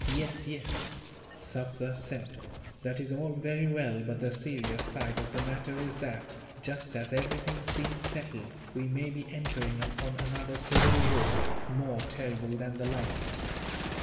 "Yes, yes," Sufder said; "that is all very well, but the serious side of the matter is that, just as everything seemed settled, we may be entering upon another civil war, more terrible than the last.